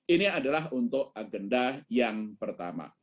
ini adalah untuk agenda yang pertama